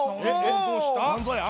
なんぞや？